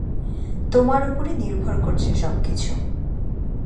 তোমার ওপরই নির্ভর করছে সবকিছু।